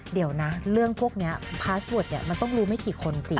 เดี๋ยวนะเรื่องพวกนี้พาสเวิร์ดเนี่ยมันต้องรู้ไม่กี่คนสิ